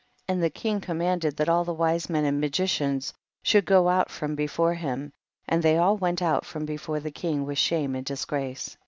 27. And the king commanded that alltlie wise men and magicians should go out from before him, and they all went out from before the king with shame and disgrace.